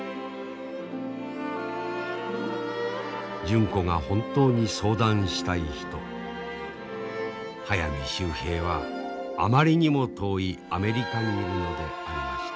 純子が本当に相談したい人速水秀平はあまりにも遠いアメリカにいるのでありました。